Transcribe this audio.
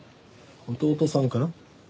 弟さんかな？